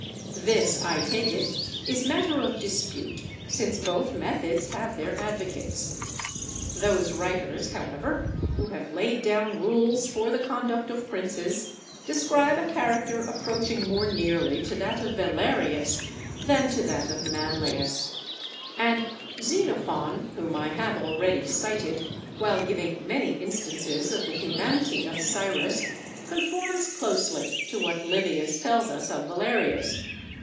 This, I take it, is matter of dispute, since both methods have their advocates. Those writers, however, who have laid down rules for the conduct of princes, describe a character approaching more nearly to that of Valerius than to that of Manlius; and Xenophon, whom I have already cited, while giving many instances of the humanity of Cyrus, conforms closely to what Livius tells us of Valerius.